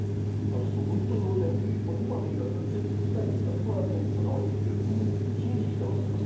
私も本当脳天気で今の医学は絶対１００パーセント治してくれると信じ切ってましたから。